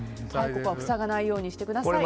ここは塞がないようにしてください。